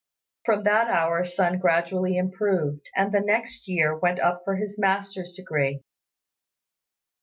From that hour Sun gradually improved, and the next year went up for his master's degree.